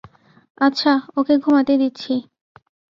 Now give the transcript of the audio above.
আচ্ছা, ওকে ঘুমাতে দিচ্ছি।